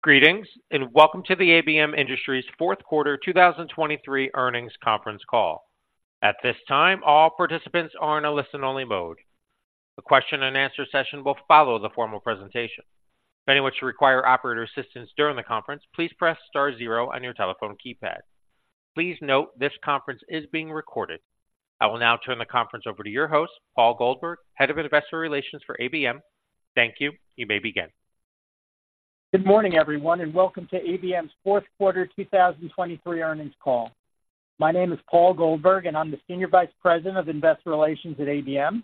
Greetings, and welcome to the ABM Industries Q4 2023 Earnings Conference Call. At this time, all participants are in a listen-only mode. A question and answer session will follow the formal presentation. If anyone should require operator assistance during the conference, please press star zero on your telephone keypad. Please note, this conference is being recorded. I will now turn the conference over to your host, Paul Goldberg, Head of Investor Relations for ABM. Thank you. You may begin. Good morning, everyone, and welcome to ABM's Q4 2023 Earnings Call. My name is Paul Goldberg, and I'm the Senior Vice President of Investor Relations at ABM.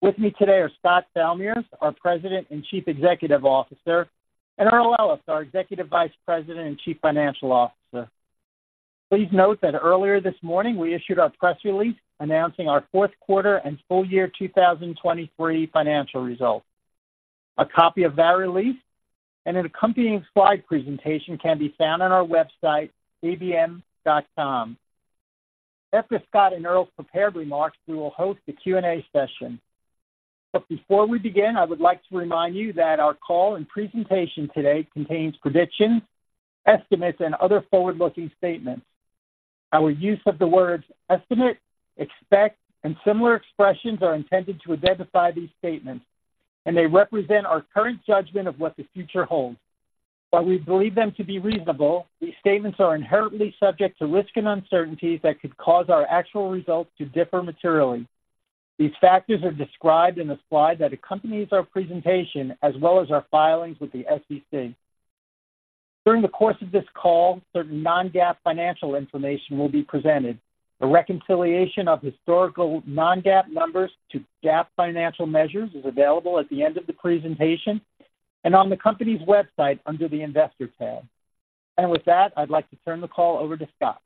With me today are Scott Salmirs, our President and Chief Executive Officer, and Earl Ellis, our Executive Vice President and Chief Financial Officer. Please note that earlier this morning, we issued our press release announcing our Q4 and full year 2023 financial results. A copy of that release and an accompanying slide presentation can be found on our website, abm.com. After Scott and Earl's prepared remarks, we will host the Q&A session. But before we begin, I would like to remind you that our call and presentation today contains predictions, estimates, and other forward-looking statements. Our use of the words estimate, expect, and similar expressions are intended to identify these statements, and they represent our current judgment of what the future holds. While we believe them to be reasonable, these statements are inherently subject to risks and uncertainties that could cause our actual results to differ materially. These factors are described in the slide that accompanies our presentation, as well as our filings with the SEC. During the course of this call, certain non-GAAP financial information will be presented. A reconciliation of historical non-GAAP numbers to GAAP financial measures is available at the end of the presentation and on the company's website under the Investor tab. With that, I'd like to turn the call over to Scott.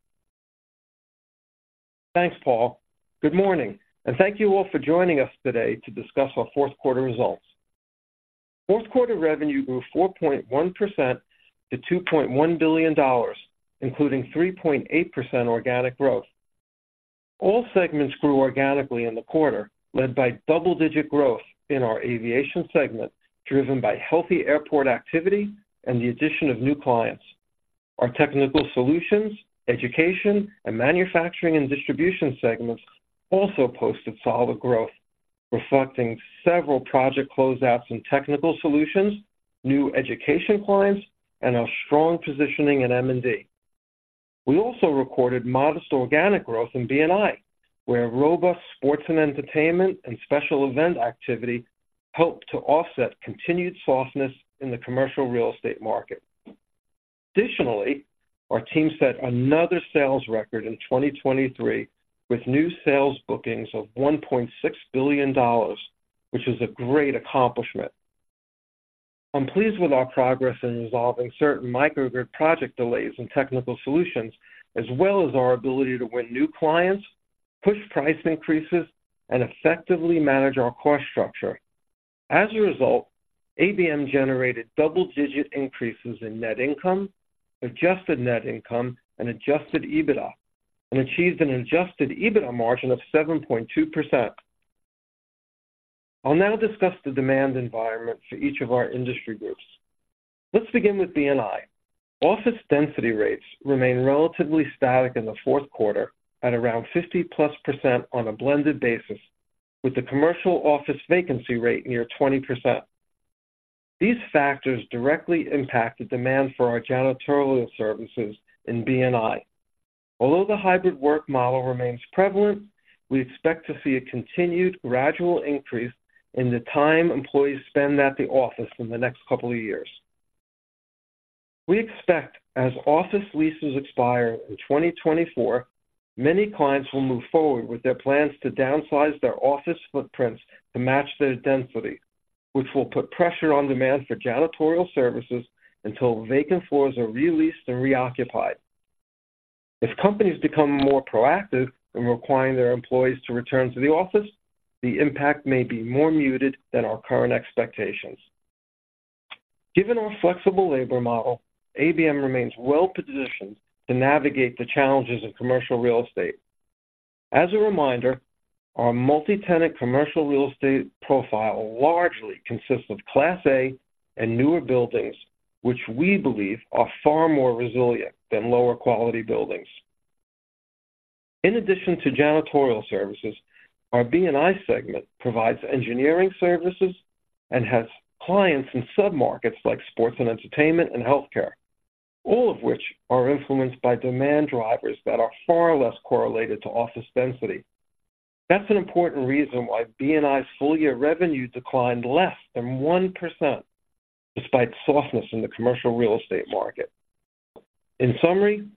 Thanks, Paul. Good morning, and thank you all for joining us today to discuss our Q4 results. Q4 revenue grew 4.1% to $2.1 billion, including 3.8% organic growth. All segments grew organically in the quarter, led by double-digit growth in our Aviation segment, driven by healthy airport activity and the addition of new clients. Our Technical Solutions, Education, and Manufacturing & Distribution segments also posted solid growth, reflecting several project closeouts in Technical Solutions, new Education clients, and our strong positioning in M&D. We also recorded modest organic growth in B&I, where robust sports and entertainment and special event activity helped to offset continued softness in the commercial real estate market. Additionally, our team set another sales record in 2023 with new sales bookings of $1.6 billion, which is a great accomplishment. I'm pleased with our progress in resolving certain microgrid project delays in Technical Solutions, as well as our ability to win new clients, push price increases, and effectively manage our cost structure. As a result, ABM generated double-digit increases in net income, adjusted net income, and Adjusted EBITDA, and achieved an Adjusted EBITDA margin of 7.2%. I'll now discuss the demand environment for each of our industry groups. Let's begin with B&I. Office density rates remained relatively static in the Q4 at around 50% on a blended basis, with the commercial office vacancy rate near 20%. These factors directly impacted demand for our janitorial services in B&I. Although the hybrid work model remains prevalent, we expect to see a continued gradual increase in the time employees spend at the office in the next couple of years. We expect as office leases expire in 2024, many clients will move forward with their plans to downsize their office footprints to match their density, which will put pressure on demand for janitorial services until vacant floors are re-leased and reoccupied. If companies become more proactive in requiring their employees to return to the office, the impact may be more muted than our current expectations. Given our flexible labor model, ABM remains well positioned to navigate the challenges of commercial real estate. As a reminder, our multi-tenant commercial real estate profile largely consists of Class A and newer buildings, which we believe are far more resilient than lower-quality buildings. In addition to janitorial services, our B&I segment provides engineering services and has clients in submarkets like sports and entertainment and healthcare, all of which are influenced by demand drivers that are far less correlated to office density. That's an important reason why B&I's full-year revenue declined less than 1% despite softness in the commercial real estate market. In summary,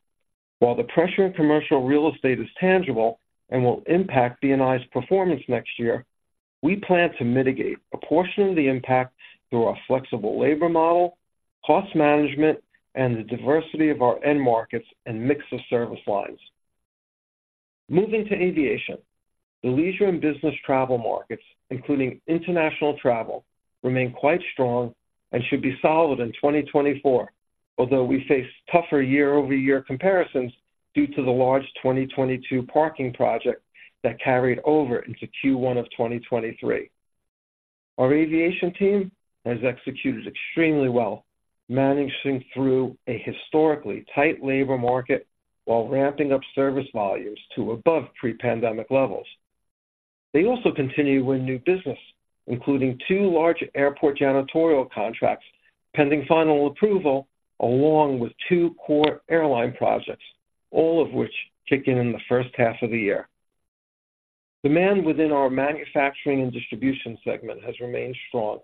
while the pressure in commercial real estate is tangible and will impact B&I's performance next year, we plan to mitigate a portion of the impact through our flexible labor model, cost management, and the diversity of our end markets and mix of service lines. Moving to Aviation. The leisure and business travel markets, including international travel, remain quite strong and should be solid in 2024, although we face tougher year-over-year comparisons due to the large 2022 parking project that carried over into Q1 of 2023.... Our Aviation team has executed extremely well, managing through a historically tight labor market while ramping up service volumes to above pre-pandemic levels. They also continue to win new business, including two large airport janitorial contracts, pending final approval, along with two core airline projects, all of which kick in in the first half of the year. Demand within our Manufacturing & Distribution segment has remained strong,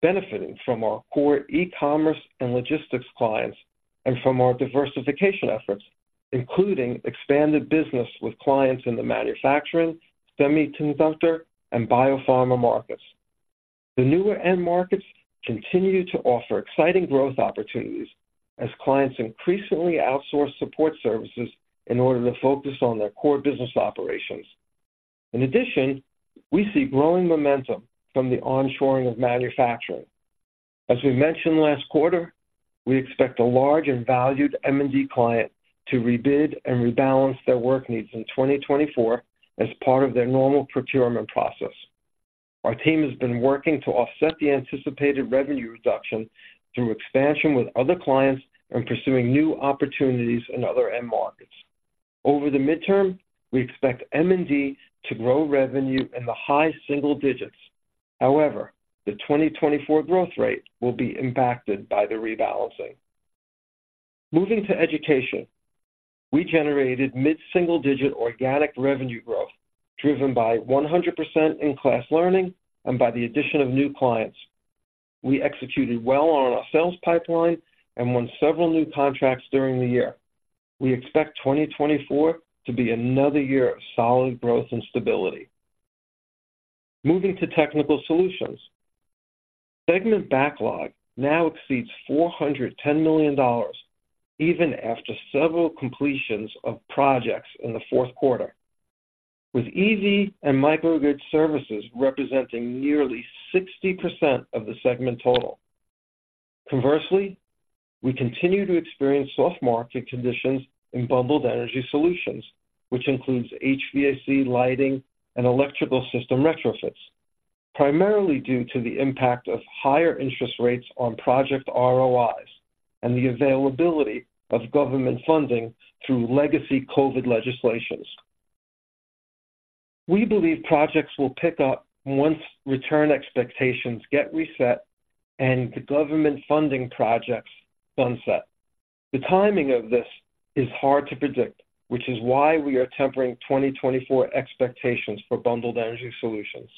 benefiting from our core e-commerce and logistics clients and from our diversification efforts, including expanded business with clients in the manufacturing, semiconductor, and biopharma markets. The newer end markets continue to offer exciting growth opportunities as clients increasingly outsource support services in order to focus on their core business operations. In addition, we see growing momentum from the onshoring of manufacturing. As we mentioned last quarter, we expect a large and valued M&D client to rebid and rebalance their work needs in 2024 as part of their normal procurement process. Our team has been working to offset the anticipated revenue reduction through expansion with other clients and pursuing new opportunities in other end markets. Over the midterm, we expect M&D to grow revenue in the high single digits. However, the 2024 growth rate will be impacted by the rebalancing. Moving to Education, we generated mid-single-digit organic revenue growth, driven by 100% in-class learning and by the addition of new clients. We executed well on our sales pipeline and won several new contracts during the year. We expect 2024 to be another year of solid growth and stability. Moving to Technical Solutions. Segment backlog now exceeds $410 million, even after several completions of projects in the Q4, with EV and microgrid services representing nearly 60% of the segment total. Conversely, we continue to experience soft market conditions in Bundled Energy Solutions, which includes HVAC, lighting, and electrical system retrofits, primarily due to the impact of higher interest rates on project ROIs and the availability of government funding through legacy COVID legislations. We believe projects will pick up once return expectations get reset and the government funding projects sunset. The timing of this is hard to predict, which is why we are tempering 2024 expectations for Bundled Energy Solutions.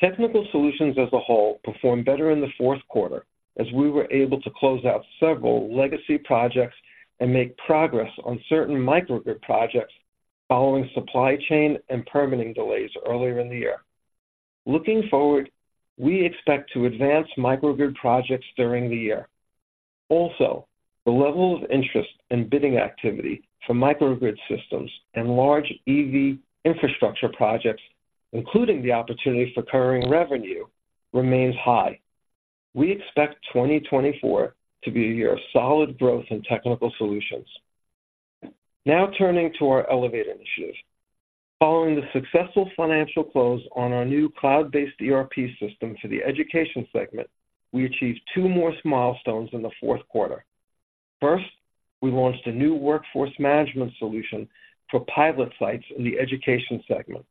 Technical Solutions as a whole performed better in the Q4 as we were able to close out several legacy projects and make progress on certain microgrid projects following supply chain and permitting delays earlier in the year. Looking forward, we expect to advance microgrid projects during the year. Also, the level of interest in bidding activity for microgrid systems and large EV infrastructure projects, including the opportunity for recurring revenue, remains high. We expect 2024 to be a year of solid growth in Technical Solutions. Now turning to our ELEVATE initiatives. Following the successful financial close on our new cloud-based ERP system for the Education segment, we achieved 2 more milestones in the Q4. First, we launched a new workforce management solution for pilot sites in the Education segment.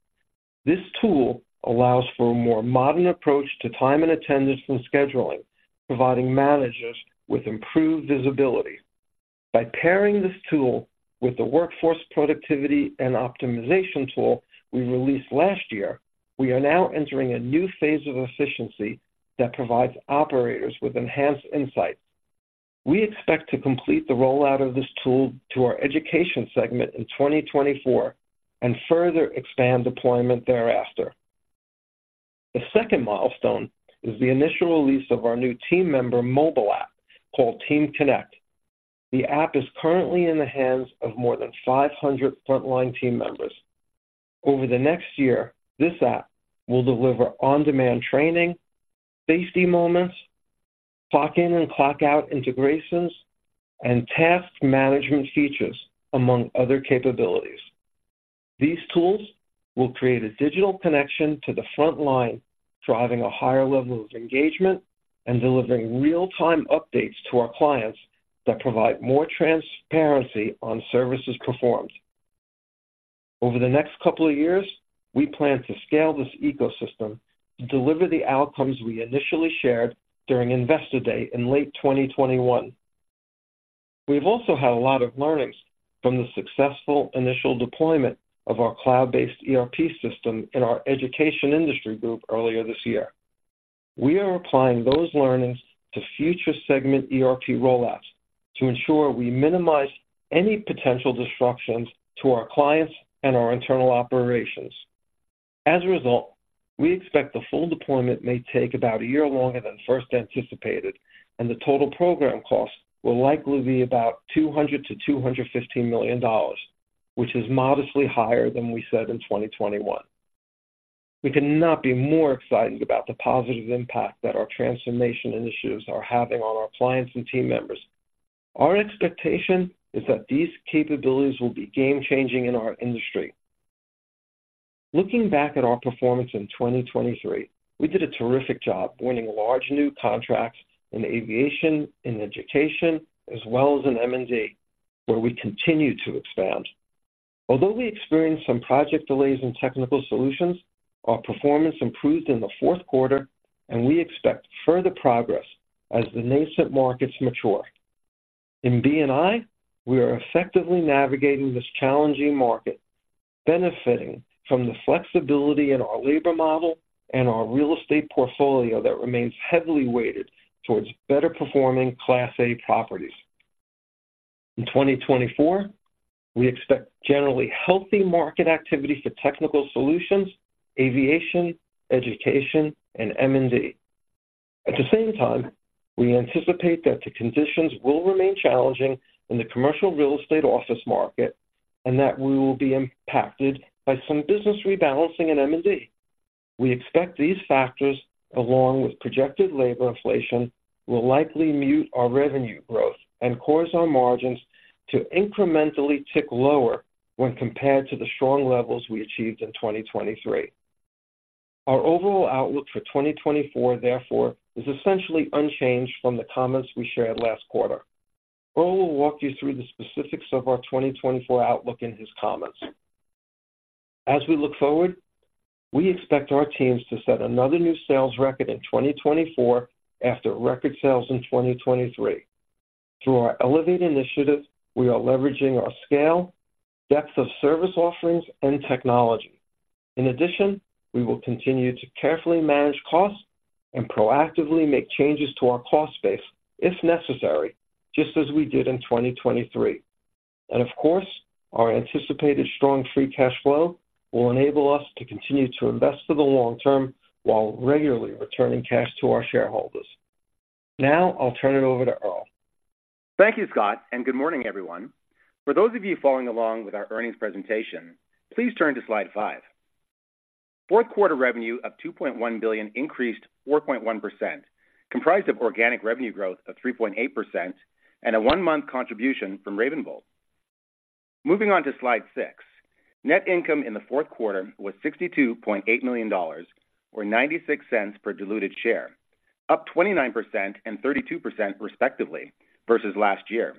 This tool allows for a more modern approach to time and attendance and scheduling, providing managers with improved visibility. By pairing this tool with the workforce productivity and optimization tool we released last year, we are now entering a new phase of efficiency that provides operators with enhanced insights. We expect to complete the rollout of this tool to our education segment in 2024 and further expand deployment thereafter. The second milestone is the initial release of our new team member mobile app, called Team Connect. The app is currently in the hands of more than 500 frontline team members. Over the next year, this app will deliver on-demand training, safety moments, clock-in and clock-out integrations, and task management features, among other capabilities. These tools will create a digital connection to the front line, driving a higher level of engagement and delivering real-time updates to our clients that provide more transparency on services performed. Over the next couple of years, we plan to scale this ecosystem to deliver the outcomes we initially shared during Investor Day in late 2021. We've also had a lot of learnings from the successful initial deployment of our cloud-based ERP system in our education industry group earlier this year. We are applying those learnings to future segment ERP rollouts to ensure we minimize any potential disruptions to our clients and our internal operations. As a result, we expect the full deployment may take about a year longer than first anticipated, and the total program cost will likely be about $200 million-$215 million, which is modestly higher than we said in 2021. We could not be more excited about the positive impact that our transformation initiatives are having on our clients and team members.... Our expectation is that these capabilities will be game-changing in our industry. Looking back at our performance in 2023, we did a terrific job winning large new contracts in Aviation, Education, and M&D, where we continue to expand. Although we experienced some project delays in Technical Solutions, our performance improved in the Q4, and we expect further progress as the nascent markets mature. In B&I, we are effectively navigating this challenging market, benefiting from the flexibility in our labor model and our real estate portfolio that remains heavily weighted towards better-performing Class A properties. In 2024, we expect generally healthy market activity for Technical Solutions, Aviation, Education, and M&D. At the same time, we anticipate that the conditions will remain challenging in the commercial real estate office market and that we will be impacted by some business rebalancing in M&D. We expect these factors, along with projected labor inflation, will likely mute our revenue growth and cause our margins to incrementally tick lower when compared to the strong levels we achieved in 2023. Our overall outlook for 2024, therefore, is essentially unchanged from the comments we shared last quarter. Earl will walk you through the specifics of our 2024 outlook in his comments. As we look forward, we expect our teams to set another new sales record in 2024 after record sales in 2023. Through our ELEVATE initiative, we are leveraging our scale, depth of service offerings, and technology. In addition, we will continue to carefully manage costs and proactively make changes to our cost base if necessary, just as we did in 2023. Of course, our anticipated strong Free Cash Flow will enable us to continue to invest for the long term while regularly returning cash to our shareholders. Now I'll turn it over to Earl. Thank you, Scott, and good morning, everyone. For those of you following along with our earnings presentation, please turn to slide 5. Q4 revenue of $2.1 billion increased 4.1%, comprised of organic revenue growth of 3.8% and a 1-month contribution from RavenVolt. Moving on to slide 6. Net income in the Q4 was $62.8 million, or $0.96 per diluted share, up 29% and 32% respectively versus last year.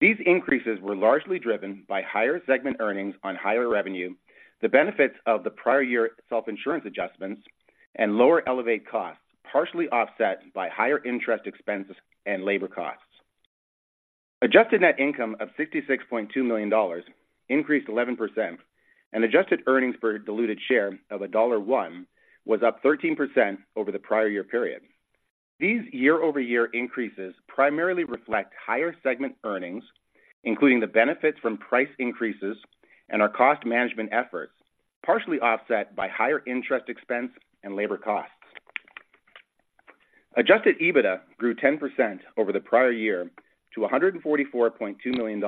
These increases were largely driven by higher segment earnings on higher revenue, the benefits of the prior year self-insurance adjustments, and lower ELEVATE costs, partially offset by higher interest expenses and labor costs. Adjusted net income of $66.2 million increased 11%, and adjusted earnings per diluted share of $1.01 was up 13% over the prior year period. These year-over-year increases primarily reflect higher segment earnings, including the benefits from price increases and our cost management efforts, partially offset by higher interest expense and labor costs. Adjusted EBITDA grew 10% over the prior year to $144.2 million,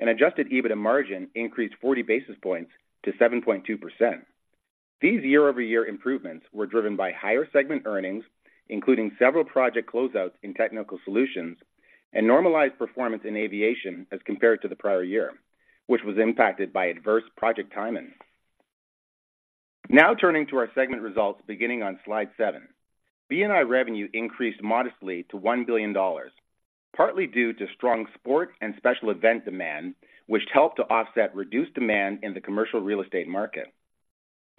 and adjusted EBITDA margin increased 40 basis points to 7.2%. These year-over-year improvements were driven by higher segment earnings, including several project closeouts in Technical Solutions and normalized performance in Aviation as compared to the prior year, which was impacted by adverse project timing. Now turning to our segment results, beginning on slide 7. B&I revenue increased modestly to $1 billion, partly due to strong sport and special event demand, which helped to offset reduced demand in the commercial real estate market.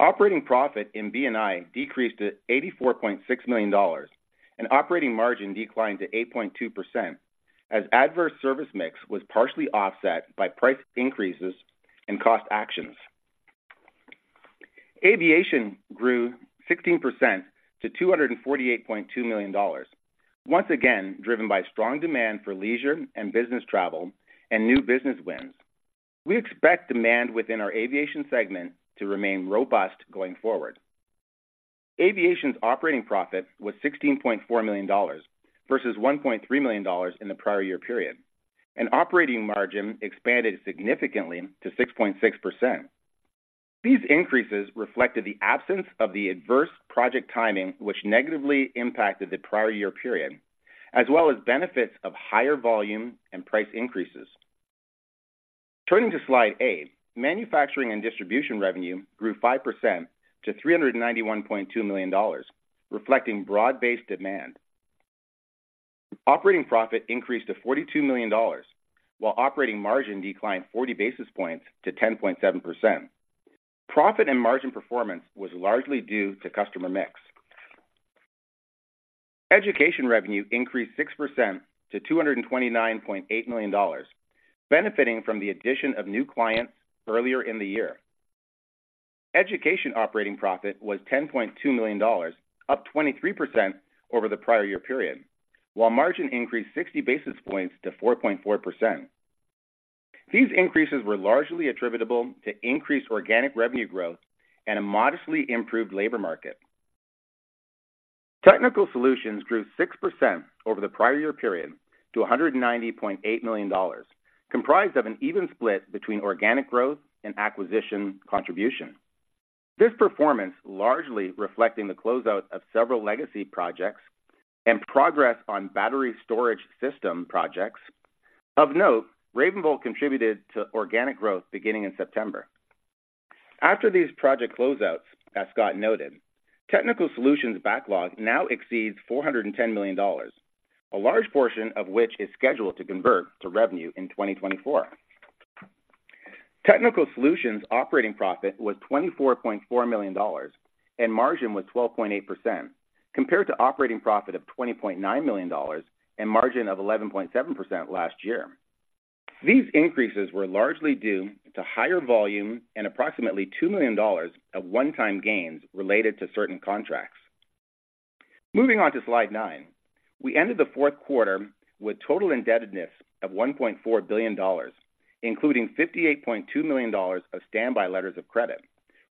Operating profit in B&I decreased to $84.6 million, and operating margin declined to 8.2%, as adverse service mix was partially offset by price increases and cost actions. Aviation grew 16% to $248.2 million, once again driven by strong demand for leisure and business travel and new business wins. We expect demand within our Aviation segment to remain robust going forward. Aviation's operating profit was $16.4 million versus $1.3 million in the prior year period, and operating margin expanded significantly to 6.6%. These increases reflected the absence of the adverse project timing, which negatively impacted the prior year period, as well as benefits of higher volume and price increases. Turning to slide eight, Manufacturing and Distribution revenue grew 5% to $391.2 million, reflecting broad-based demand. Operating profit increased to $42 million, while operating margin declined 40 basis points to 10.7%. Profit and margin performance was largely due to customer mix. Education revenue increased 6% to $229.8 million, benefiting from the addition of new clients earlier in the year. Education operating profit was $10.2 million, up 23% over the prior year period, while margin increased 60 basis points to 4.4%. These increases were largely attributable to increased organic revenue growth and a modestly improved labor market. Technical Solutions grew 6% over the prior year period to $190.8 million, comprised of an even split between organic growth and acquisition contribution. This performance, largely reflecting the closeout of several legacy projects and progress on battery storage system projects. Of note, RavenVolt contributed to organic growth beginning in September. After these project closeouts, as Scott noted, Technical Solutions backlog now exceeds $410 million, a large portion of which is scheduled to convert to revenue in 2024. Technical Solutions operating profit was $24.4 million, and margin was 12.8%, compared to operating profit of $20.9 million and margin of 11.7% last year. These increases were largely due to higher volume and approximately $2 million of one-time gains related to certain contracts. Moving on to slide nine. We ended the Q4 with total indebtedness of $1.4 billion, including $58.2 million of standby letters of credit,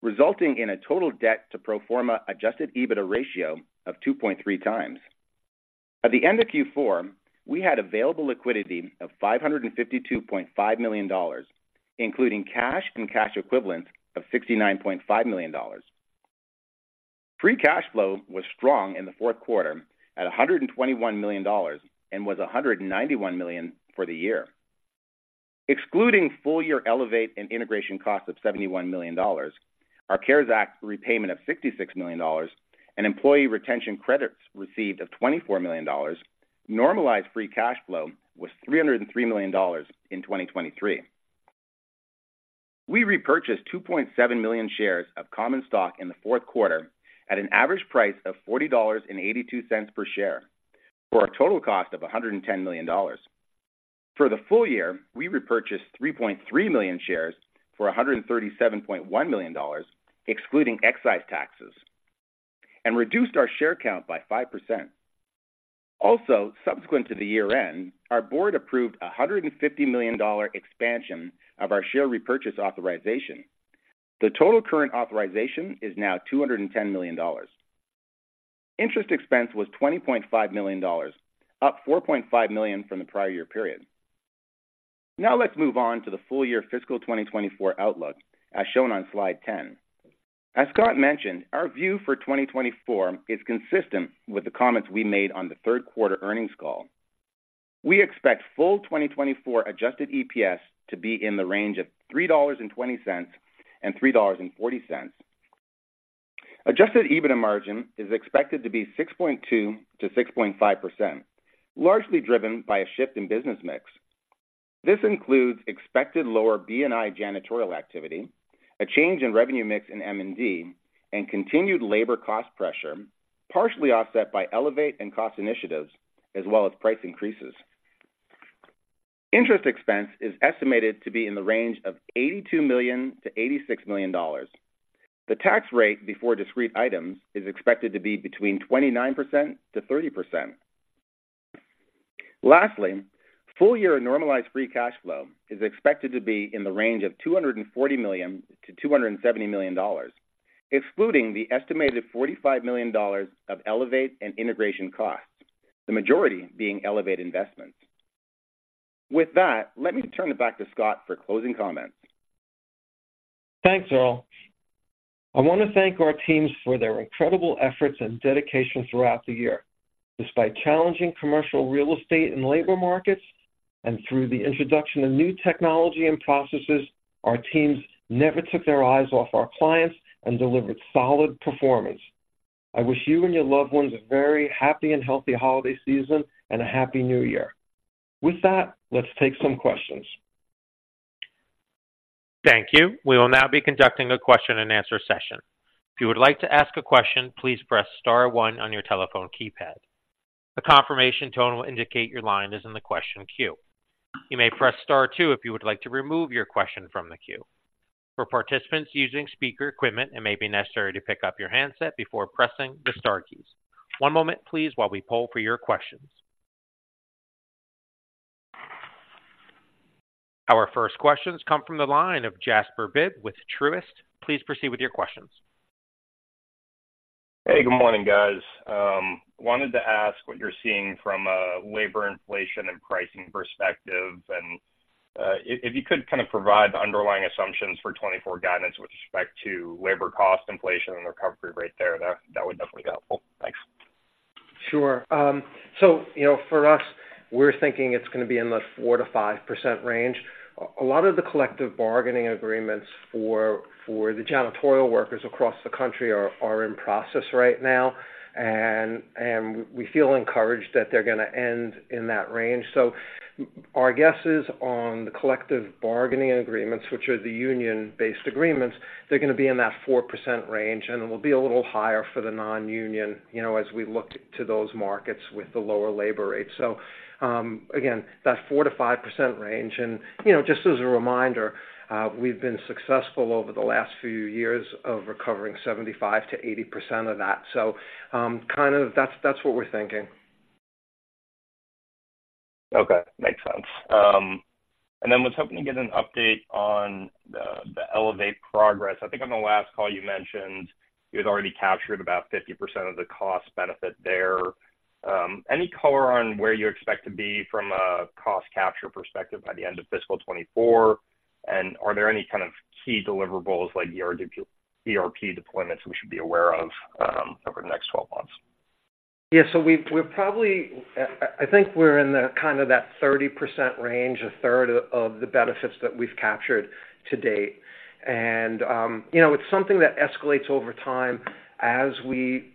resulting in a total debt to pro forma adjusted EBITDA ratio of 2.3 times. At the end of Q4, we had available liquidity of $552.5 million, including cash and cash equivalents of $69.5 million. Free cash flow was strong in the Q4 at $121 million and was $191 million for the year. Excluding full-year ELEVATE and integration costs of $71 million, our CARES Act repayment of $66 million, and employee retention credits received of $24 million, normalized free cash flow was $303 million in 2023. We repurchased 2.7 million shares of common stock in the Q4 at an average price of $40.82 per share, for a total cost of $110 million. For the full year, we repurchased 3.3 million shares for $137.1 million, excluding excise taxes, and reduced our share count by 5%. Also, subsequent to the year-end, our board approved a $150 million expansion of our share repurchase authorization. The total current authorization is now $210 million. Interest expense was $20.5 million, up $4.5 million from the prior year period. Now let's move on to the full year fiscal 2024 outlook, as shown on slide 10. As Scott mentioned, our view for 2024 is consistent with the comments we made on the Q3 earnings call. We expect full 2024 adjusted EPS to be in the range of $3.20-$3.40. Adjusted EBITDA margin is expected to be 6.2%-6.5%, largely driven by a shift in business mix. This includes expected lower B&I janitorial activity, a change in revenue mix in M&D, and continued labor cost pressure, partially offset by ELEVATE and cost initiatives as well as price increases. Interest expense is estimated to be in the range of $82 million-$86 million. The tax rate before discrete items is expected to be between 29%-30%. Lastly, full-year normalized Free Cash Flow is expected to be in the range of $240 million-$270 million, excluding the estimated $45 million of ELEVATE and integration costs, the majority being ELEVATE investments. With that, let me turn it back to Scott for closing comments. Thanks, Earl. I want to thank our teams for their incredible efforts and dedication throughout the year. Despite challenging commercial real estate and labor markets, and through the introduction of new technology and processes, our teams never took their eyes off our clients and delivered solid performance. I wish you and your loved ones a very happy and healthy holiday season and a happy New Year. With that, let's take some questions. Thank you. We will now be conducting a question-and-answer session. If you would like to ask a question, please press star one on your telephone keypad. A confirmation tone will indicate your line is in the question queue. You may press star two if you would like to remove your question from the queue. For participants using speaker equipment, it may be necessary to pick up your handset before pressing the star keys. One moment, please, while we poll for your questions. Our first questions come from the line of Jasper Bibb with Truist. Please proceed with your questions. Hey, good morning, guys. Wanted to ask what you're seeing from a labor inflation and pricing perspective, and if you could kind of provide the underlying assumptions for 2024 guidance with respect to labor cost inflation and recovery rate there, that would definitely be helpful. Thanks. Sure. So you know, for us, we're thinking it's going to be in the 4%-5% range. A lot of the collective bargaining agreements for the janitorial workers across the country are in process right now, and we feel encouraged that they're going to end in that range. So our guesses on the collective bargaining agreements, which are the union-based agreements, they're going to be in that 4% range, and it will be a little higher for the non-union, you know, as we look to those markets with the lower labor rates. So, again, that 4%-5% range. And, you know, just as a reminder, we've been successful over the last few years of recovering 75%-80% of that. So, kind of that's what we're thinking. Okay. Makes sense. And then was hoping to get an update on the ELEVATE progress. I think on the last call you mentioned. You had already captured about 50% of the cost benefit there. Any color on where you expect to be from a cost capture perspective by the end of fiscal 2024? And are there any kind of key deliverables like ERP deployments we should be aware of over the next 12 months? Yeah. So we're probably, I think we're in the kind of that 30% range, a third of the benefits that we've captured to date. And, you know, it's something that escalates over time. As we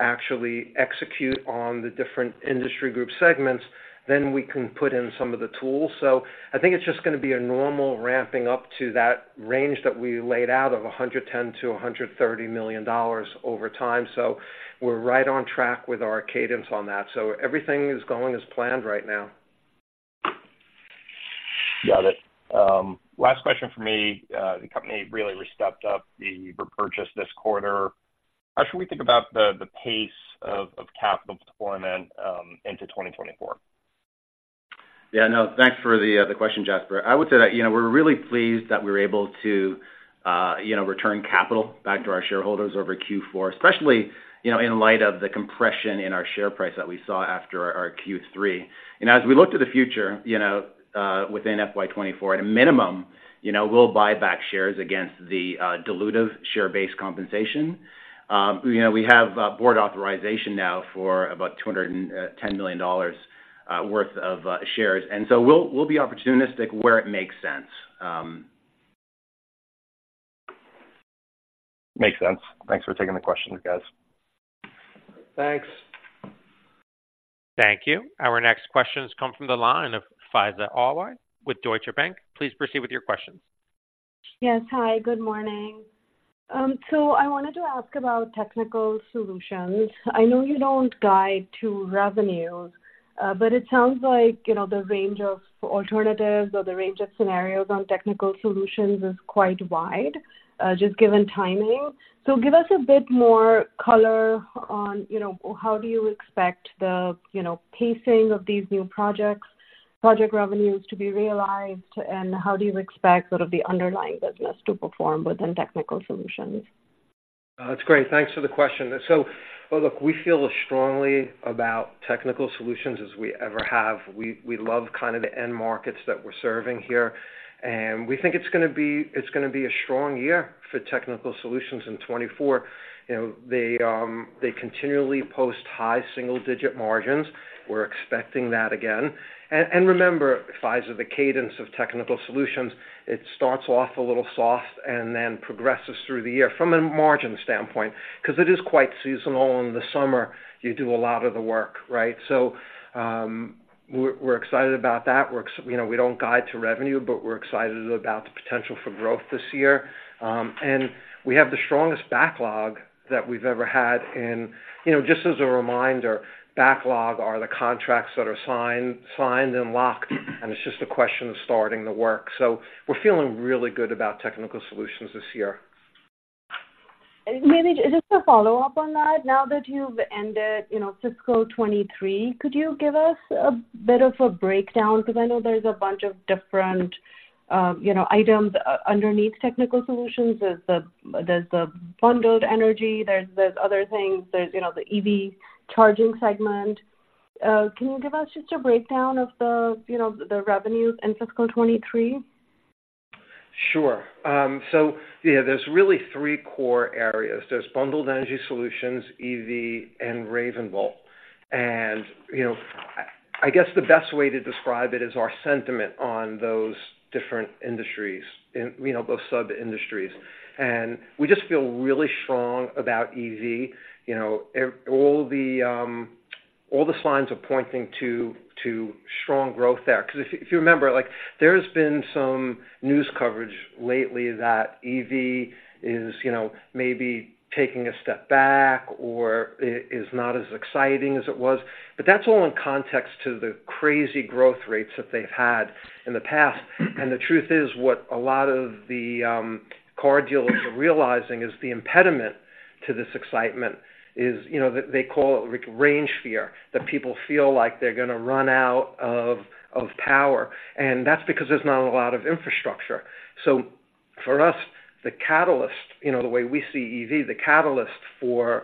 actually execute on the different industry group segments, then we can put in some of the tools. So I think it's just gonna be a normal ramping up to that range that we laid out of $110 million-$130 million over time. So we're right on track with our cadence on that. So everything is going as planned right now. Got it. Last question for me. The company really stepped up the repurchase this quarter. How should we think about the pace of capital deployment into 2024? Yeah, no, thanks for the question, Jasper. I would say that, you know, we're really pleased that we were able to, you know, return capital back to our shareholders over Q4, especially, you know, in light of the compression in our share price that we saw after our Q3. And as we look to the future, you know, within FY 2024, at a minimum, you know, we'll buy back shares against the dilutive share-based compensation. You know, we have board authorization now for about $210 million worth of shares, and so we'll be opportunistic where it makes sense. Makes sense. Thanks for taking the questions, guys. Thanks. Thank you. Our next question has come from the line of Faiza Alwy with Deutsche Bank. Please proceed with your questions. Yes. Hi, good morning. So I wanted to ask about Technical Solutions. I know you don't guide to revenues, but it sounds like, you know, the range of alternatives or the range of scenarios on Technical Solutions is quite wide, just given timing. So give us a bit more color on, you know, how do you expect the, you know, pacing of these new projects, project revenues to be realized, and how do you expect sort of the underlying business to perform within Technical Solutions? It's great. Thanks for the question. So, well, look, we feel as strongly about Technical Solutions as we ever have. We love kind of the end markets that we're serving here, and we think it's gonna be, it's gonna be a strong year for Technical Solutions in 2024. You know, they continually post high single-digit margins. We're expecting that again. And remember, Faiza, the cadence of Technical Solutions, it starts off a little soft and then progresses through the year from a margin standpoint, 'cause it is quite seasonal. In the summer, you do a lot of the work, right? So, we're excited about that. You know, we don't guide to revenue, but we're excited about the potential for growth this year. And we have the strongest backlog that we've ever had in... You know, just as a reminder, backlog are the contracts that are signed, signed and locked, and it's just a question of starting the work. So we're feeling really good about Technical Solutions this year. Just a follow-up on that. Now that you've ended, you know, fiscal 2023, could you give us a bit of a breakdown? Because I know there's a bunch of different, you know, items underneath Technical Solutions. There's the, there's the Bundled Energy, there's other things. There's, you know, the EV charging segment. Can you give us just a breakdown of the, you know, the revenues in fiscal 2023? Sure. So yeah, there's really three core areas. There's Bundled Energy Solutions, EV, and RavenVolt. And, you know, I guess the best way to describe it is our sentiment on those different industries, in, you know, those sub-industries. And we just feel really strong about EV. You know, EV all the, all the signs are pointing to strong growth there. 'Cause if you remember, like, there's been some news coverage lately that EV is, you know, maybe taking a step back or is not as exciting as it was, but that's all in context to the crazy growth rates that they've had in the past. The truth is, what a lot of the car dealers are realizing is the impediment to this excitement is, you know, they call it range fear, that people feel like they're gonna run out of power, and that's because there's not a lot of infrastructure. So for us, the catalyst, you know, the way we see EV, the catalyst for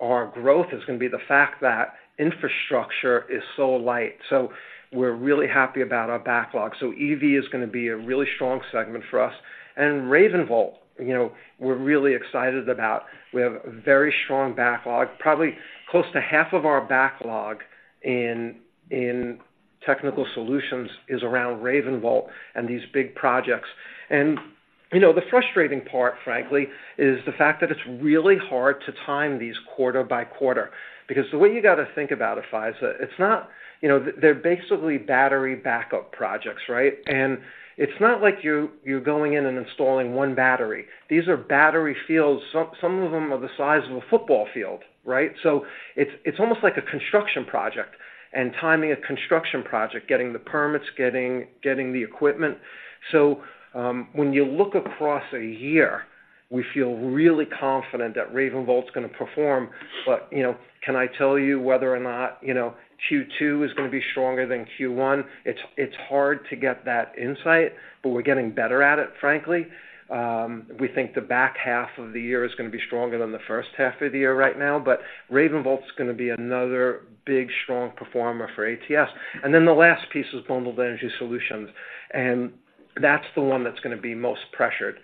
our growth is gonna be the fact that infrastructure is so light. So we're really happy about our backlog. So EV is gonna be a really strong segment for us. And RavenVolt, you know, we're really excited about. We have a very strong backlog. Probably close to half of our backlog in Technical Solutions is around RavenVolt and these big projects. You know, the frustrating part, frankly, is the fact that it's really hard to time these quarter by quarter. Because the way you got to think about it, Faiza, it's not, you know, they're basically battery backup projects, right? And it's not like you're going in and installing one battery. These are battery fields, some of them are the size of a football field, right? So it's almost like a construction project and timing a construction project, getting the permits, getting the equipment. So when you look across a year, we feel really confident that RavenVolt's gonna perform. But, you know, can I tell you whether or not, you know, Q2 is gonna be stronger than Q1? It's hard to get that insight, but we're getting better at it, frankly. We think the back half of the year is gonna be stronger than the first half of the year right now, but RavenVolt is gonna be another big, strong performer for ATS. Then the last piece is Bundled Energy Solutions, and that's the one that's gonna be most pressured.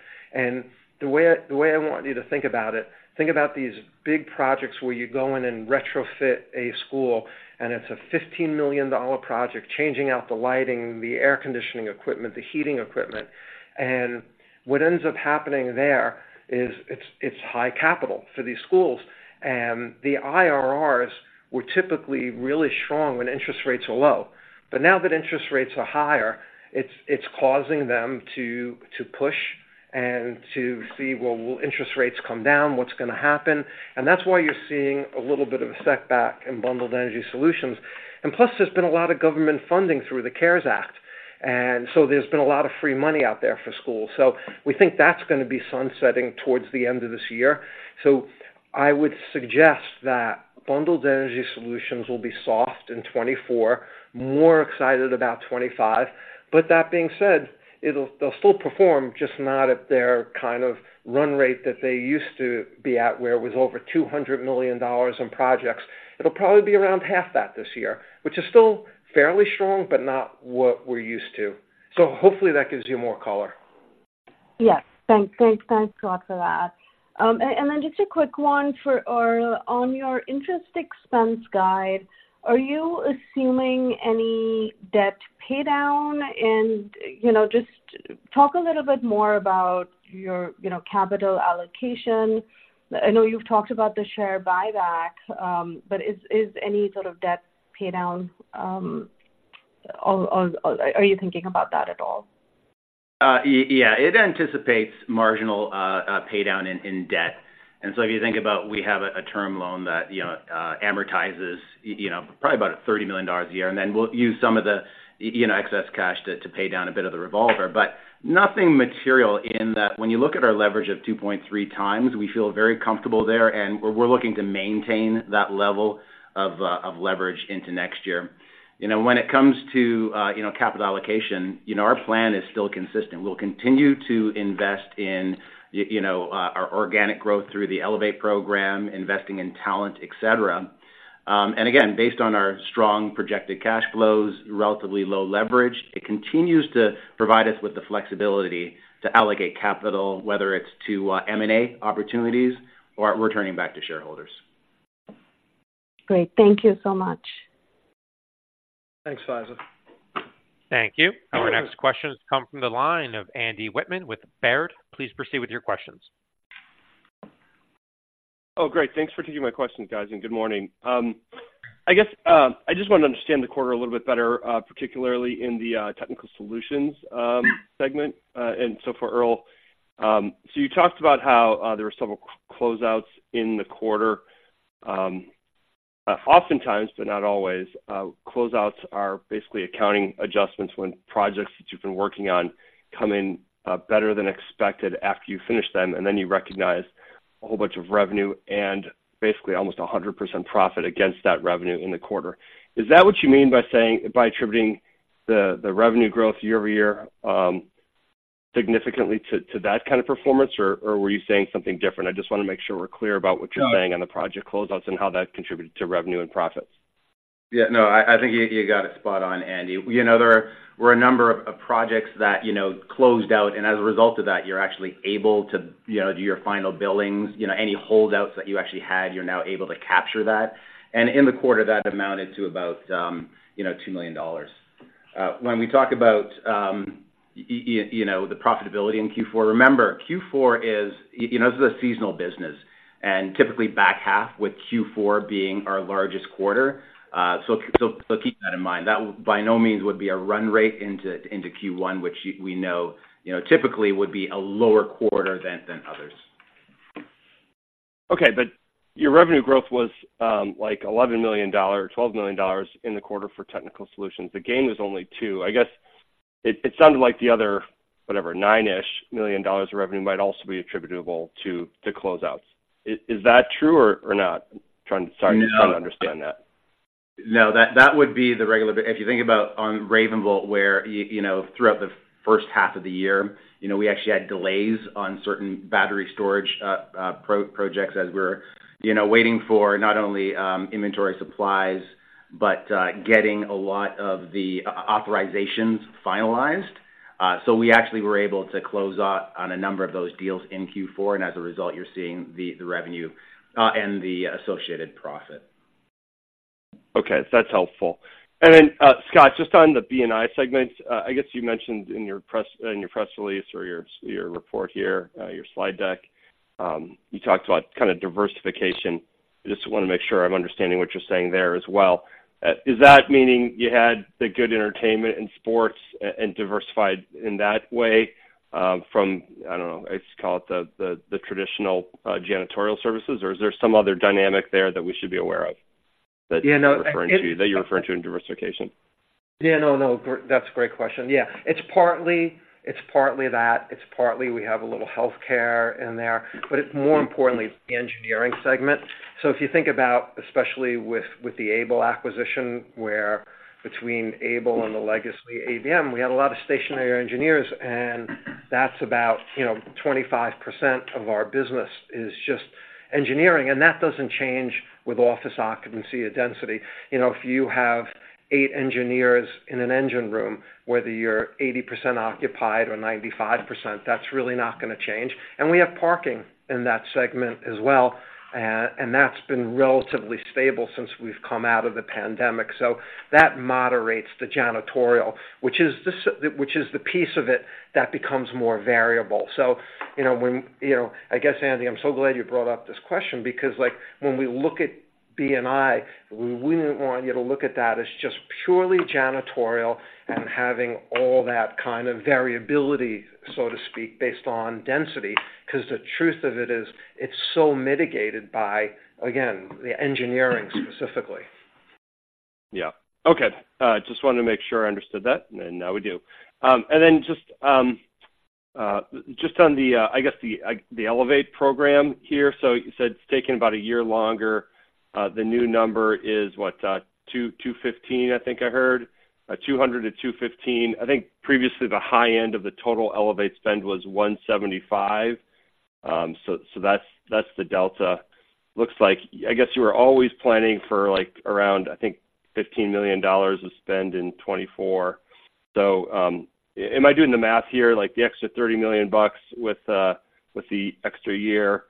The way, the way I want you to think about it, think about these big projects where you go in and retrofit a school, and it's a $15 million project, changing out the lighting, the air conditioning equipment, the heating equipment. What ends up happening there is it's, it's high capital for these schools, and the IRRs were typically really strong when interest rates are low. But now that interest rates are higher, it's, it's causing them to, to push and to see, well, will interest rates come down? What's gonna happen? That's why you're seeing a little bit of a setback in Bundled Energy Solutions. Plus, there's been a lot of government funding through the CARES Act, and so there's been a lot of free money out there for schools. So we think that's gonna be sunsetting towards the end of this year. So I would suggest that Bundled Energy Solutions will be soft in 2024, more excited about 2025. But that being said, they'll still perform, just not at their kind of run rate that they used to be at, where it was over $200 million in projects. It'll probably be around $100 million this year, which is still fairly strong, but not what we're used to. So hopefully that gives you more color. Yes, thanks. Thanks, thanks a lot for that. And then just a quick one for Earl. On your interest expense guide, are you assuming any debt paydown? And, you know, just talk a little bit more about your, you know, capital allocation. I know you've talked about the share buyback, but is any sort of debt paydown, or are you thinking about that at all? Yeah, it anticipates marginal paydown in debt. So if you think about we have a term loan that amortizes, you know, probably about $30 million a year, and then we'll use some of the, you know, excess cash to pay down a bit of the revolver. But nothing material in that. When you look at our leverage of 2.3x, we feel very comfortable there, and we're looking to maintain that level of leverage into next year. You know, when it comes to, you know, capital allocation, you know, our plan is still consistent. We'll continue to invest in you know, our organic growth through the ELEVATE program, investing in talent, et cetera. And again, based on our strong projected cash flows, relatively low leverage, it continues to provide us with the flexibility to allocate capital, whether it's to, M&A opportunities or returning back to shareholders. Great. Thank you so much. Thanks, Faiza. Thank you. Our next question has come from the line of Andy Wittman with Baird. Please proceed with your questions. Oh, great! Thanks for taking my questions, guys, and good morning. I guess I just want to understand the quarter a little bit better, particularly in the Technical Solutions segment. And so for Earl, so you talked about how there were several closeouts in the quarter. Oftentimes, but not always, closeouts are basically accounting adjustments when projects that you've been working on come in better than expected after you finish them, and then you recognize a whole bunch of revenue and basically almost 100% profit against that revenue in the quarter. Is that what you mean by saying—by attributing the revenue growth year-over-year significantly to that kind of performance, or were you saying something different? I just want to make sure we're clear about what you're saying on the project closeouts and how that contributed to revenue and profits. Yeah, no, I think you got it spot on, Andy. You know, there were a number of projects that, you know, closed out, and as a result of that, you're actually able to, you know, do your final billings. You know, any holdouts that you actually had, you're now able to capture that. And in the quarter, that amounted to about, you know, $2 million. When we talk about you know, the profitability in Q4, remember, Q4 is... You know, this is a seasonal business and typically back half, with Q4 being our largest quarter. So keep that in mind. That by no means would be a run rate into Q1, which we know, you know, typically would be a lower quarter than others. Okay, but your revenue growth was like $11 million or $12 million in the quarter for Technical Solutions. The gain was only $2 million. I guess it sounded like the other, whatever, 9-ish million dollars of revenue might also be attributable to closeouts. Is that true or not? Trying to—sorry, just trying to understand that. No, that would be the regular. If you think about on RavenVolt, where you know, throughout the first half of the year, you know, we actually had delays on certain battery storage projects as we're, you know, waiting for not only inventory supplies, but getting a lot of the authorizations finalized. So we actually were able to close out on a number of those deals in Q4, and as a result, you're seeing the revenue and the associated profit.... Okay, that's helpful. And then, Scott, just on the B&I segment, I guess you mentioned in your press release or your report here, your slide deck, you talked about kind of diversification. I just wanna make sure I'm understanding what you're saying there as well. Is that meaning you had the good entertainment and sports and diversified in that way, from, I don't know, let's call it the traditional janitorial services? Or is there some other dynamic there that we should be aware of, that- Yeah, no- You're referring to, that you're referring to in diversification? Yeah, no, no, that's a great question. Yeah. It's partly, it's partly that. It's partly we have a little healthcare in there, but it's more importantly, the engineering segment. So if you think about, especially with, with the Able acquisition, where between Able and the legacy ABM, we had a lot of stationary engineers, and that's about, you know, 25% of our business is just engineering, and that doesn't change with office occupancy or density. You know, if you have eight engineers in an engine room, whether you're 80% occupied or 95%, that's really not gonna change. And we have parking in that segment as well, and that's been relatively stable since we've come out of the pandemic. So that moderates the janitorial, which is the piece of it that becomes more variable. So, you know, you know, I guess, Andy, I'm so glad you brought up this question because, like, when we look at B&I, we wouldn't want you to look at that as just purely janitorial and having all that kind of variability, so to speak, based on density, 'cause the truth of it is, it's so mitigated by, again, the engineering specifically. Yeah. Okay. Just wanted to make sure I understood that, and now we do. And then just on the, I guess, the ELEVATE program here. So you said it's taking about a year longer. The new number is what? Two, 215, I think I heard. 200 to 215. I think previously the high end of the total ELEVATE spend was 175. So, so that's, that's the delta. Looks like... I guess you were always planning for, like, around, I think, $15 million of spend in 2024. So, am I doing the math here? Like, the extra $30 million bucks with, with the extra year,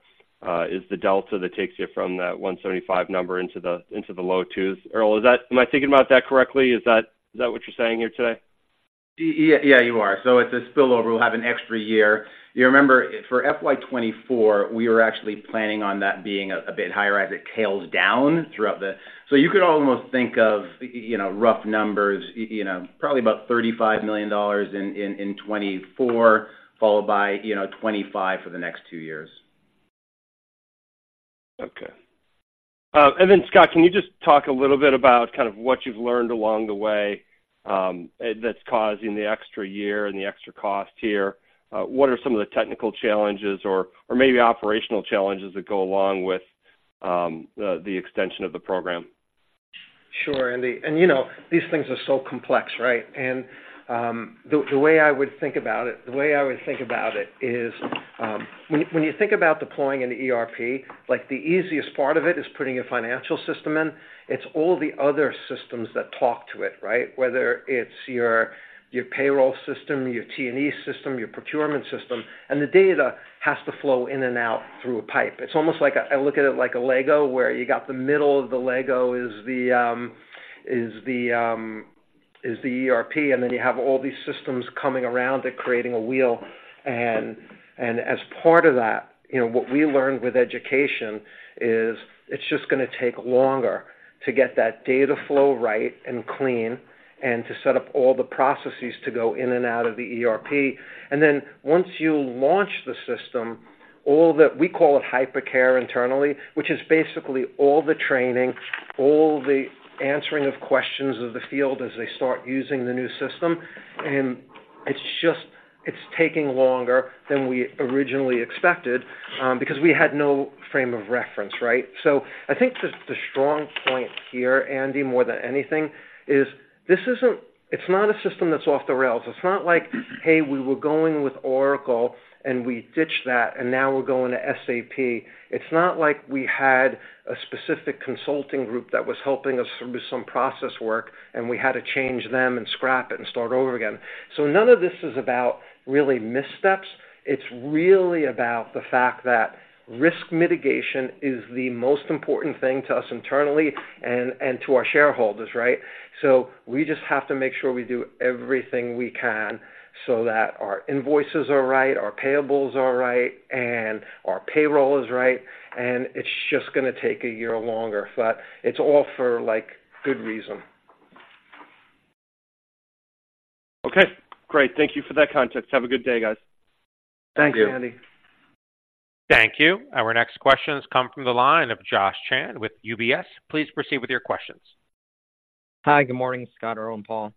is the delta that takes you from that 175 number into the, into the low twos. Earl, is that-- am I thinking about that correctly? Is that, is that what you're saying here today? Yeah, yeah, you are. So it's a spillover. We'll have an extra year. You remember, for FY 2024, we were actually planning on that being a bit higher as it tails down throughout the... So you could almost think of, you know, rough numbers, you know, probably about $35 million in 2024, followed by, you know, 25 for the next two years. Okay. And then, Scott, can you just talk a little bit about kind of what you've learned along the way, that's causing the extra year and the extra cost here? What are some of the technical challenges or, or maybe operational challenges that go along with, the extension of the program? Sure, Andy. And, you know, these things are so complex, right? And, the way I would think about it is, when you think about deploying an ERP, like, the easiest part of it is putting a financial system in. It's all the other systems that talk to it, right? Whether it's your payroll system, your T&E system, your procurement system, and the data has to flow in and out through a pipe. It's almost like a Lego, where you got the middle of the Lego is the ERP, and then you have all these systems coming around it, creating a wheel. As part of that, you know, what we learned with education is it's just gonna take longer to get that data flow right and clean, and to set up all the processes to go in and out of the ERP. Then, once you launch the system, all the... We call it Hypercare internally, which is basically all the training, all the answering of questions of the field as they start using the new system. It's just taking longer than we originally expected, because we had no frame of reference, right? So I think the strong point here, Andy, more than anything, is this isn't, it's not a system that's off the rails. It's not like, "Hey, we were going with Oracle, and we ditched that, and now we're going to SAP." It's not like we had a specific consulting group that was helping us with some process work, and we had to change them and scrap it and start over again. So none of this is about really missteps. It's really about the fact that risk mitigation is the most important thing to us internally and, and to our shareholders, right? So we just have to make sure we do everything we can so that our invoices are right, our payables are right, and our payroll is right, and it's just gonna take a year longer. But it's all for, like, good reason. Okay, great. Thank you for that context. Have a good day, guys. Thanks, Andy. Thank you. Thank you. Our next question has come from the line of Josh Chan with UBS. Please proceed with your questions. Hi, good morning, Scott, Earl, and Paul.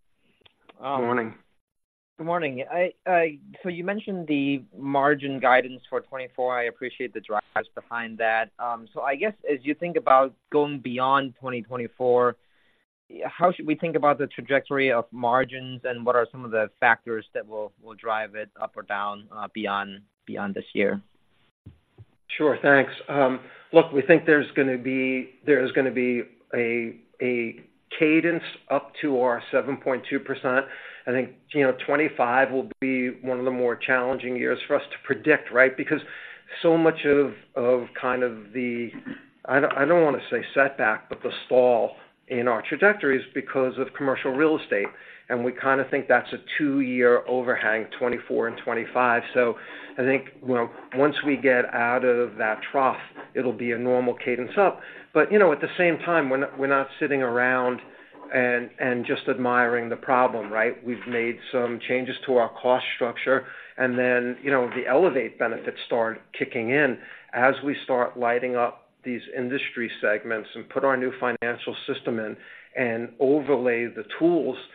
Good morning. Good morning. So you mentioned the margin guidance for 2024. I appreciate the drivers behind that. So I guess, as you think about going beyond 2024, how should we think about the trajectory of margins, and what are some of the factors that will drive it up or down, beyond this year? Sure, thanks. Look, we think there's gonna be—there is gonna be a cadence up to our 7.2%. I think, you know, 2025 will be one of the more challenging years for us to predict, right? Because so much of kind of the, I don't wanna say setback, but the stall in our trajectory is because of commercial real estate, and we kinda think that's a two-year overhang, 2024 and 2025. So I think, you know, once we get out of that trough, it'll be a normal cadence up. But, you know, at the same time, we're not sitting around and just admiring the problem, right? We've made some changes to our cost structure, and then, you know, the ELEVATE benefits start kicking in as we start lighting up these industry segments and put our new financial system in, and overlay the tools that,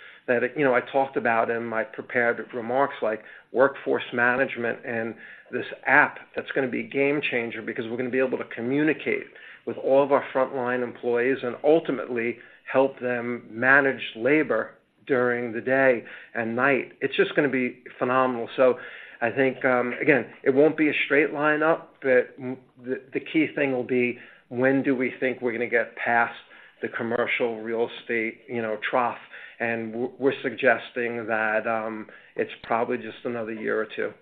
you know, I talked about in my prepared remarks, like workforce management and this app. That's gonna be a game changer because we're gonna be able to communicate with all of our frontline employees and ultimately help them manage labor during the day and night. It's just gonna be phenomenal. So I think, again, it won't be a straight line up, but the, the key thing will be: When do we think we're gonna get past the commercial real estate, you know, trough? And we're suggesting that, it's probably just another year or two.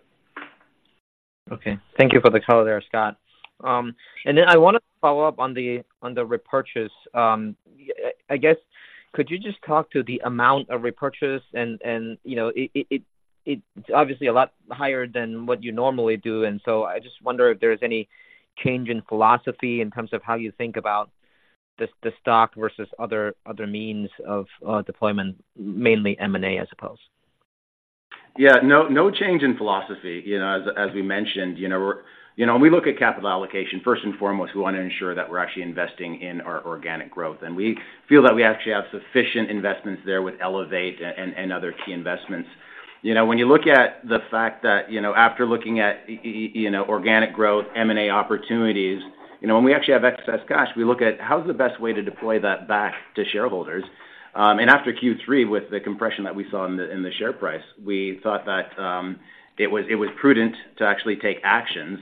Okay. Thank you for the color there, Scott. Then I wanted to follow up on the repurchase. I guess, could you just talk to the amount of repurchase and, you know, it's obviously a lot higher than what you normally do, and so I just wonder if there's any change in philosophy in terms of how you think about the stock versus other means of deployment, mainly M&A, I suppose. Yeah, no, no change in philosophy. You know, as we mentioned, you know, we're You know, when we look at capital allocation, first and foremost, we wanna ensure that we're actually investing in our organic growth, and we feel that we actually have sufficient investments there with ELEVATE and other key investments. You know, when you look at the fact that, you know, after looking at you know, organic growth, M&A opportunities, you know, when we actually have excess cash, we look at how is the best way to deploy that back to shareholders. And after Q3, with the compression that we saw in the share price, we thought that, it was prudent to actually take actions.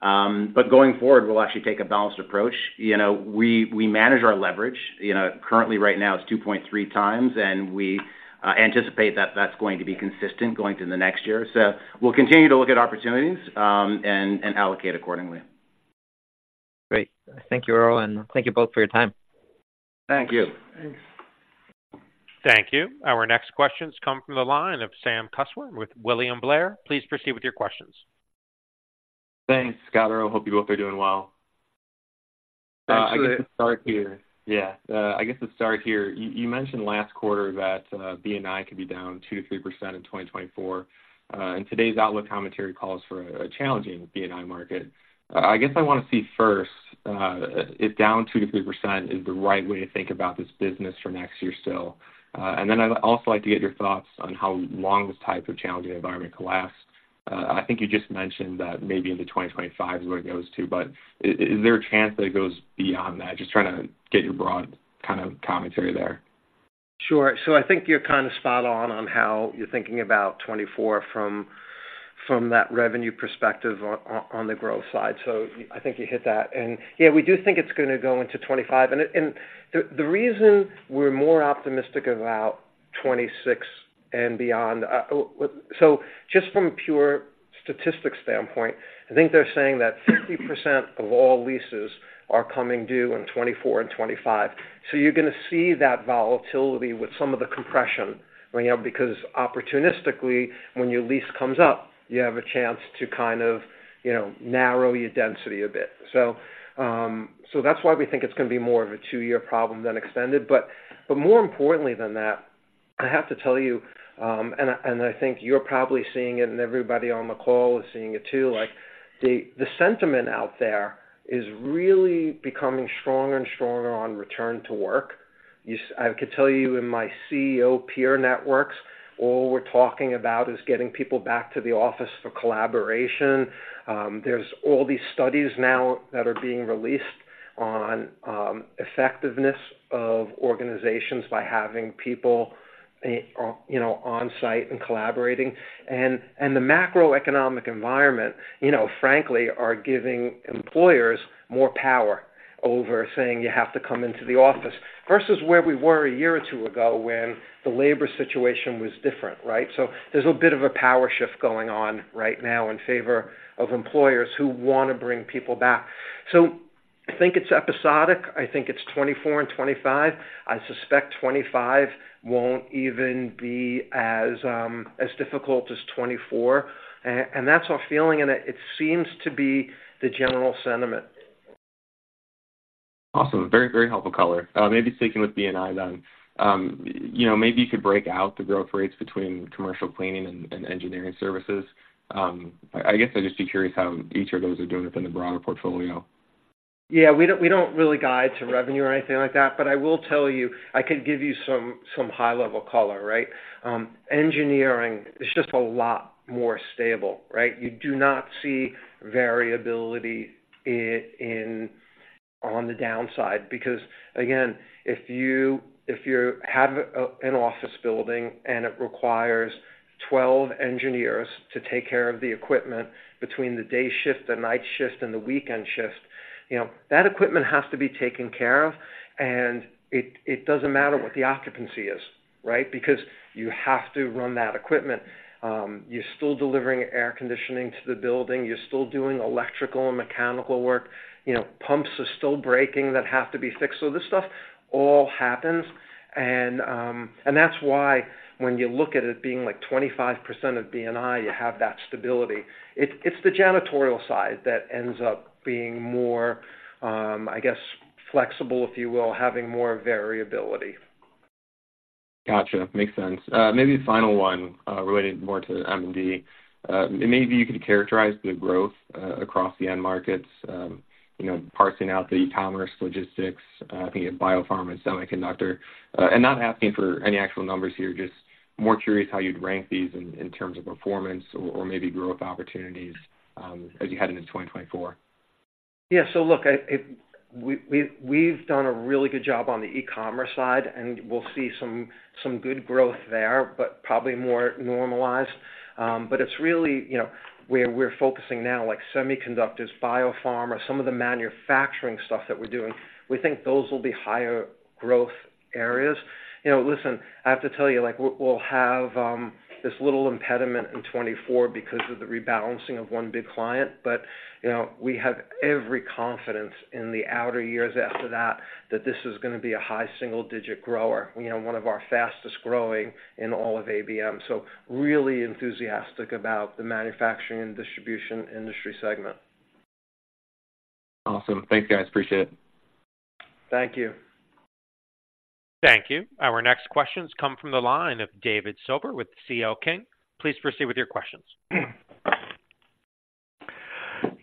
But going forward, we'll actually take a balanced approach. You know, we manage our leverage. You know, currently, right now, it's 2.3 times, and we anticipate that that's going to be consistent going through the next year. So we'll continue to look at opportunities, and allocate accordingly. Great. Thank you, Earl, and thank you both for your time. Thank you. Thanks. Thank you. Our next questions come from the line of Sam Kusswurm with William Blair. Please proceed with your questions. Thanks, Scott, Earl. Hope you both are doing well. Thanks for it. I guess let's start here. You mentioned last quarter that B&I could be down 2%-3% in 2024, and today's outlook commentary calls for a challenging B&I market. I guess I wanna see first if down 2%-3% is the right way to think about this business for next year still. And then I'd also like to get your thoughts on how long this type of challenging environment could last. I think you just mentioned that maybe into 2025 is where it goes to, but is there a chance that it goes beyond that? Just trying to get your broad kind of commentary there. Sure. So I think you're kind of spot on, on how you're thinking about 2024 from, from that revenue perspective on, on the growth side. So I think you hit that. And yeah, we do think it's gonna go into 2025. And it... And the, the reason we're more optimistic about 2026 and beyond, so just from a pure statistics standpoint, I think they're saying that 50% of all leases are coming due in 2024 and 2025. So you're gonna see that volatility with some of the compression, you know, because opportunistically, when your lease comes up, you have a chance to kind of, you know, narrow your density a bit. So, so that's why we think it's gonna be more of a two-year problem than extended. But more importantly than that, I have to tell you, and I think you're probably seeing it and everybody on the call is seeing it too, like, the sentiment out there is really becoming stronger and stronger on return to work. I could tell you in my CEO peer networks, all we're talking about is getting people back to the office for collaboration. There's all these studies now that are being released on effectiveness of organizations by having people, you know, on-site and collaborating. And the macroeconomic environment, you know, frankly, are giving employers more power over saying, "You have to come into the office," versus where we were a year or two ago when the labor situation was different, right? So there's a bit of a power shift going on right now in favor of employers who wanna bring people back. So I think it's episodic. I think it's 2024 and 2025. I suspect 2025 won't even be as difficult as 2024. And that's our feeling, and it seems to be the general sentiment. Awesome. Very, very helpful color. Maybe sticking with B&I then, you know, maybe you could break out the growth rates between commercial cleaning and engineering services. I guess I'd just be curious how each of those are doing within the broader portfolio. Yeah, we don't, we don't really guide to revenue or anything like that, but I will tell you, I could give you some, some high-level color, right? Engineering is just a lot more stable, right? You do not see variability in, on the downside, because, again, if you have a, an office building and it requires 12 engineers to take care of the equipment between the day shift, the night shift, and the weekend shift. You know, that equipment has to be taken care of, and it, it doesn't matter what the occupancy is, right? Because you have to run that equipment. You're still delivering air conditioning to the building. You're still doing electrical and mechanical work. You know, pumps are still breaking that have to be fixed. So this stuff all happens, and that's why when you look at it being, like, 25% of B&I, you have that stability. It's the janitorial side that ends up being more, I guess, flexible, if you will, having more variability. Gotcha. Makes sense. Maybe a final one, related more to M&D. Maybe you could characterize the growth, across the end markets, you know, parsing out the e-commerce, logistics, I think biopharma and semiconductor. And not asking for any actual numbers here, just more curious how you'd rank these in, in terms of performance or, or maybe growth opportunities, as you head into 2024. Yeah. So look, I—we've done a really good job on the e-commerce side, and we'll see some good growth there, but probably more normalized. But it's really, you know, where we're focusing now, like semiconductors, biopharma, some of the manufacturing stuff that we're doing, we think those will be higher growth areas. You know, listen, I have to tell you, like, we'll have this little impediment in 2024 because of the rebalancing of one big client, but, you know, we have every confidence in the outer years after that, that this is gonna be a high single-digit grower, you know, one of our fastest-growing in all of ABM. So really enthusiastic about the Manufacturing and Distribution industry segment. Awesome. Thanks, guys. Appreciate it. Thank you. Thank you. Our next questions come from the line of David Silber with CL King. Please proceed with your questions.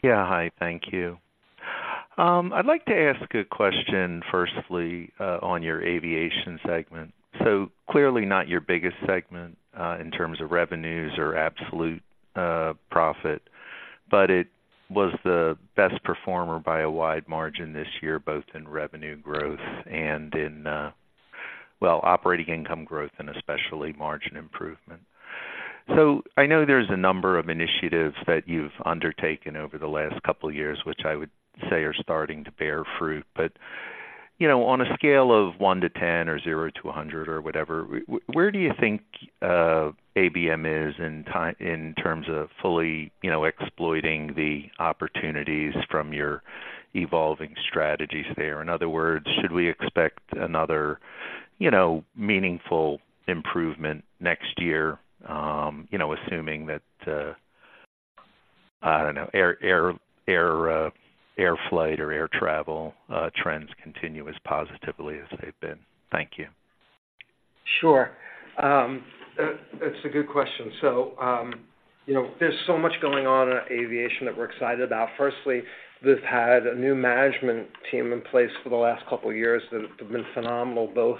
Yeah. Hi, thank you. I'd like to ask a question, firstly, on your Aviation segment. So clearly not your biggest segment, in terms of revenues or absolute profit, but it was the best performer by a wide margin this year, both in revenue growth and in, well, operating income growth, and especially margin improvement. So I know there's a number of initiatives that you've undertaken over the last couple of years, which I would say are starting to bear fruit, but, you know, on a scale of 1 to 10 or 0 to 100 or whatever, where do you think, ABM is in terms of fully, you know, exploiting the opportunities from your evolving strategies there? In other words, should we expect another, you know, meaningful improvement next year, you know, assuming that, I don't know, air flight or air travel trends continue as positively as they've been? Thank you. Sure. It's a good question. So, you know, there's so much going on in Aviation that we're excited about. Firstly, we've had a new management team in place for the last couple of years that have been phenomenal, both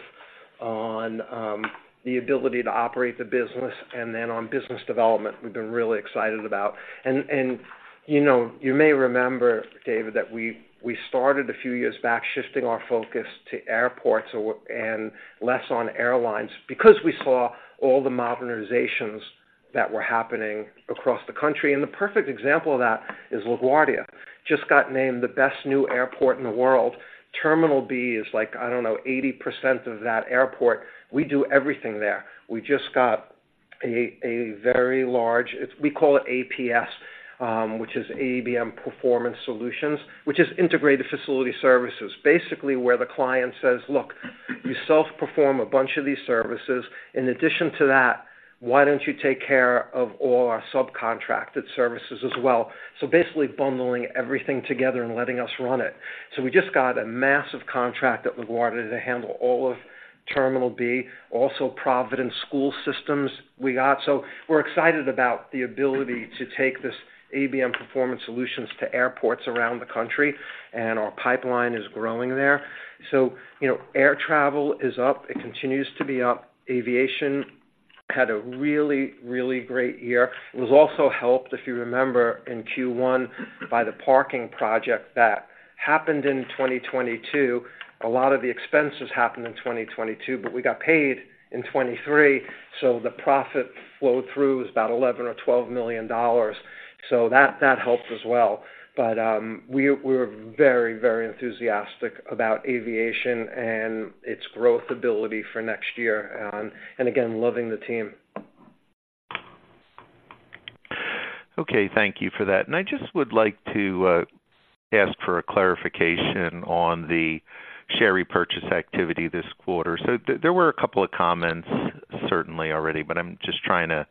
on the ability to operate the business and then on business development we've been really excited about. And, you know, you may remember, David, that we started a few years back, shifting our focus to airports or and less on airlines because we saw all the modernizations that were happening across the country. And the perfect example of that is LaGuardia. Just got named the best new airport in the world. Terminal B is like, I don't know, 80% of that airport. We do everything there. We just got a very large... We call it APS, which is ABM Performance Solutions, which is integrated facility services. Basically, where the client says, "Look, you self-perform a bunch of these services. In addition to that, why don't you take care of all our subcontracted services as well?" So basically bundling everything together and letting us run it. So we just got a massive contract at LaGuardia to handle all of Terminal B, also Providence School District we got. So we're excited about the ability to take this ABM Performance Solutions to airports around the country, and our pipeline is growing there. So, you know, air travel is up. It continues to be up. Aviation had a really, really great year. It was also helped, if you remember, in Q1 by the parking project that happened in 2022. A lot of the expenses happened in 2022, but we got paid in 2023, so the profit flow-through is about $11 million-$12 million. So that helped as well. But we're very, very enthusiastic about Aviation and its growth ability for next year, and again, loving the team. Okay, thank you for that. I just would like to ask for a clarification on the share repurchase activity this quarter. So there were a couple of comments, certainly already, but I'm just trying to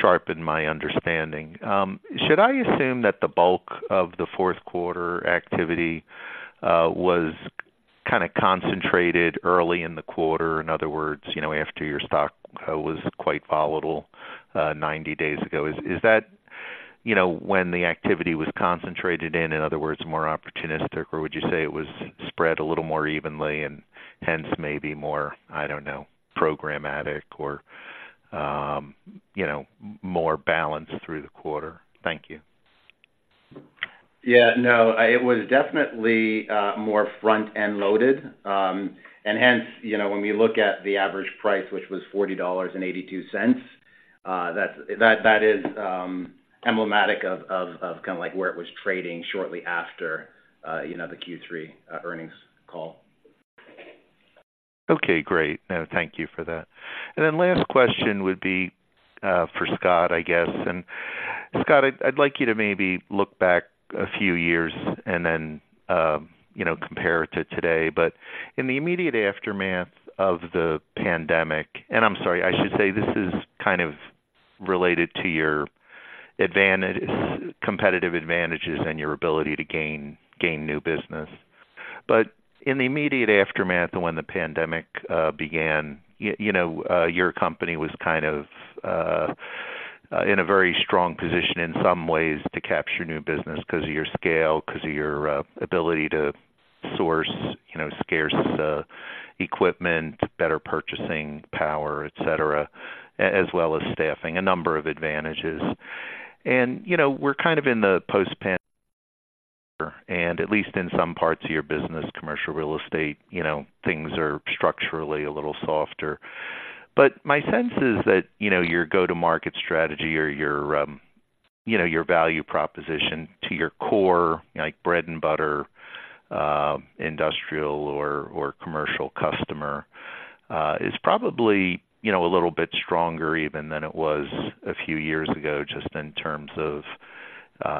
sharpen my understanding. Should I assume that the bulk of the fourth quarter activity was kind of concentrated early in the quarter? In other words, you know, after your stock was quite volatile 90 days ago. Is that, you know, when the activity was concentrated, in other words, more opportunistic, or would you say it was spread a little more evenly and hence maybe more, I don't know, programmatic or, you know, more balanced through the quarter? Thank you. Yeah, no, it was definitely more front-end loaded. And hence, you know, when we look at the average price, which was $40.82-... That is emblematic of kind of like where it was trading shortly after, you know, the Q3 earnings call. Okay, great. Thank you for that. And then last question would be, for Scott, I guess. And Scott, I'd, I'd like you to maybe look back a few years and then, you know, compare it to today. But in the immediate aftermath of the pandemic, and I'm sorry, I should say this is kind of related to your advantage, competitive advantages and your ability to gain, gain new business. But in the immediate aftermath of when the pandemic began, you know, your company was kind of in a very strong position in some ways to capture new business 'cause of your scale, 'cause of your ability to source, you know, scarce equipment, better purchasing power, et cetera, as well as staffing, a number of advantages. You know, we're kind of in the post-pandemic, and at least in some parts of your business, commercial real estate, you know, things are structurally a little softer. But my sense is that, you know, your go-to-market strategy or your, you know, your value proposition to your core, like, bread-and-butter, industrial or commercial customer, is probably, you know, a little bit stronger even than it was a few years ago, just in terms of,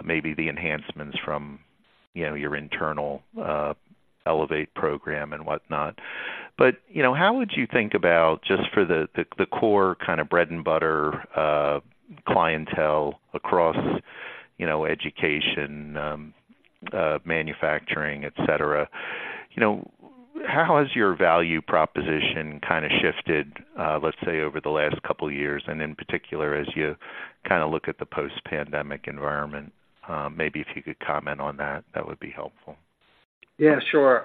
maybe the enhancements from, you know, your internal, ELEVATE program and whatnot. But, you know, how would you think about just for the core kind of bread-and-butter clientele across, you know, education, manufacturing, et cetera, you know, how has your value proposition kind of shifted, let's say, over the last couple of years, and in particular, as you kind of look at the post-pandemic environment? Maybe if you could comment on that, that would be helpful. Yeah, sure.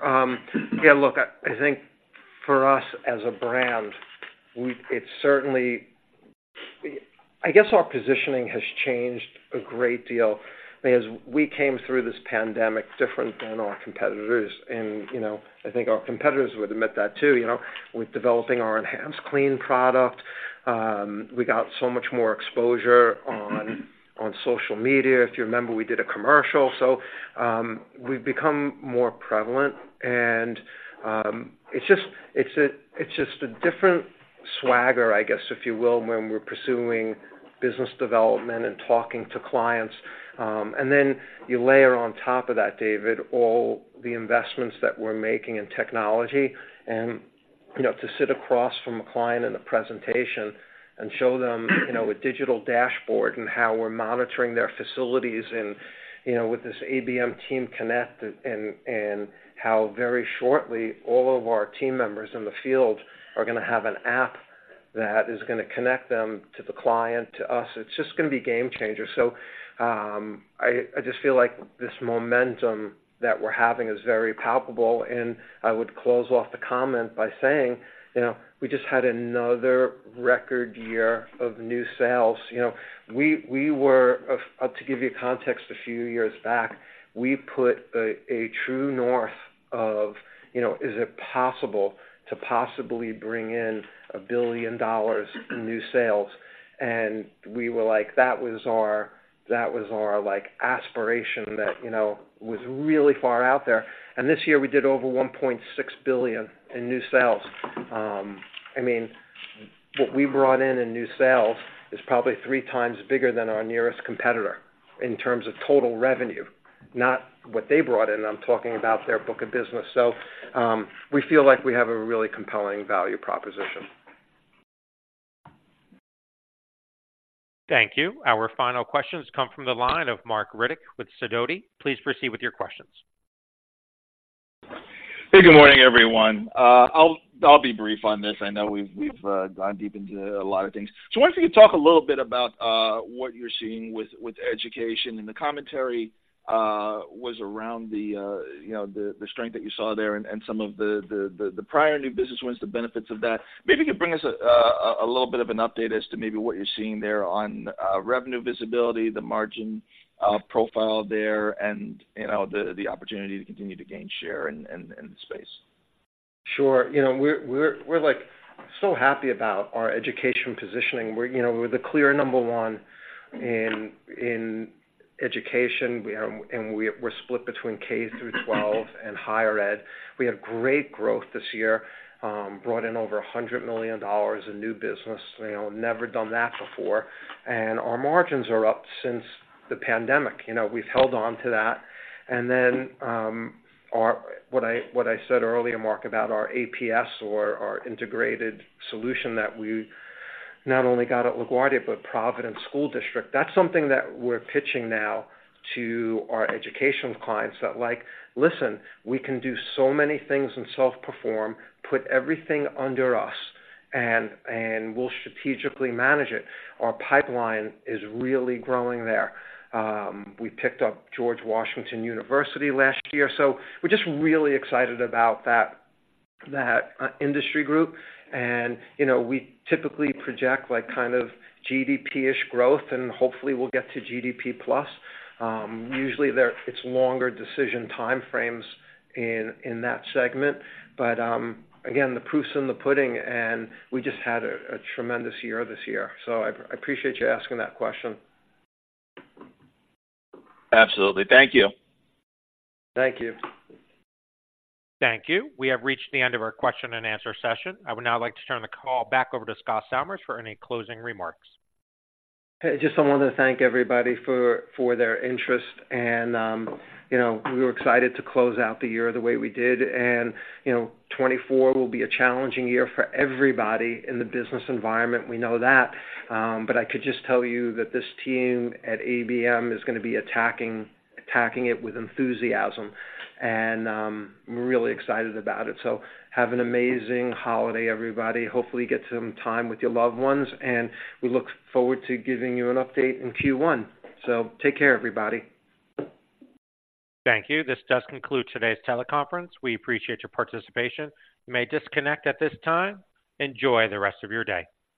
Yeah, look, I think for us, as a brand, we, it's certainly... I guess our positioning has changed a great deal. I mean, as we came through this pandemic different than our competitors, and, you know, I think our competitors would admit that, too, you know, with developing our enhanced clean product, we got so much more exposure on social media. If you remember, we did a commercial. So, we've become more prevalent and, it's just a different swagger, I guess, if you will, when we're pursuing business development and talking to clients. And then you layer on top of that, David, all the investments that we're making in technology and, you know, to sit across from a client in a presentation and show them, you know, a digital dashboard and how we're monitoring their facilities and, you know, with this ABM TeamConnect and how very shortly all of our team members in the field are gonna have an app that is gonna connect them to the client, to us, it's just gonna be game changer. So, I just feel like this momentum that we're having is very palpable, and I would close off the comment by saying, you know, we just had another record year of new sales. You know, we were... To give you context, a few years back, we put a true north of, you know, is it possible to possibly bring in $1 billion in new sales? And we were like, that was our, that was our, like, aspiration that, you know, was really far out there. And this year we did over $1.6 billion in new sales. I mean, what we brought in, in new sales is probably three times bigger than our nearest competitor in terms of total revenue, not what they brought in. I'm talking about their book of business. So, we feel like we have a really compelling value proposition. Thank you. Our final questions come from the line of Marc Riddick with Sidoti. Please proceed with your questions. Hey, good morning, everyone. I'll, I'll be brief on this. I know we've, we've gone deep into a lot of things. So I want you to talk a little bit about what you're seeing with, with education, and the commentary was around the, you know, the, the strength that you saw there and, and some of the, the, the prior new business wins, the benefits of that. Maybe you could bring us a little bit of an update as to maybe what you're seeing there on revenue visibility, the margin profile there, and, you know, the, the opportunity to continue to gain share in, in, in the space. Sure. You know, we're like so happy about our education positioning. We're, you know, we're the clear number one in education. We have and we're split between K through twelve and higher ed. We had great growth this year, brought in over $100 million in new business. You know, never done that before. And our margins are up since the pandemic, you know, we've held on to that. And then our what I said earlier, Mark, about our APS or our integrated solution that we not only got at LaGuardia, but Providence School District, that's something that we're pitching now to our educational clients, that, like, "Listen, we can do so many things in self-perform. Put everything under us, and we'll strategically manage it." Our pipeline is really growing there. We picked up George Washington University last year, so we're just really excited about that, that industry group. And, you know, we typically project like kind of GDP-ish growth, and hopefully we'll get to GDP plus. Usually, there, it's longer decision time frames in, in that segment, but, again, the proof's in the pudding, and we just had a, a tremendous year this year. So I, I appreciate you asking that question. Absolutely. Thank you. Thank you. Thank you. We have reached the end of our question-and-answer session. I would now like to turn the call back over to Scott Salmirs for any closing remarks. Hey, I just wanted to thank everybody for their interest and, you know, we were excited to close out the year the way we did. And, you know, 2024 will be a challenging year for everybody in the business environment. We know that, but I could just tell you that this team at ABM is gonna be attacking, attacking it with enthusiasm, and we're really excited about it. So have an amazing holiday, everybody. Hopefully, you get some time with your loved ones, and we look forward to giving you an update in Q1. So take care, everybody. Thank you. This does conclude today's teleconference. We appreciate your participation. You may disconnect at this time. Enjoy the rest of your day.